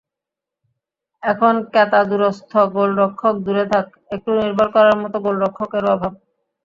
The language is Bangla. এখন কেতাদুরস্ত গোলরক্ষক দূরে থাক, একটু নির্ভর করার মতো গোলরক্ষকেরও অভাব।